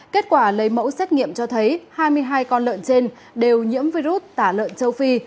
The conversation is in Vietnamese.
kết quả lấy mẫu xét nghiệm cho thấy hai mươi hai con lợn trên đều nhiễm virus tả lợn châu phi